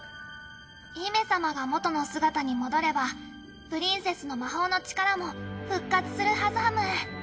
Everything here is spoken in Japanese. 姫様が元の姿に戻ればプリンセスの魔法の力も復活するはずはむぅ。